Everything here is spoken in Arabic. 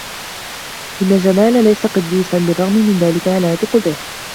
إنّ جمال ليس قدّيسا. "بالرّغم من ذلك، أنا أثق به."